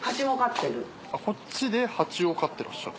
こっちでハチを飼ってらっしゃる？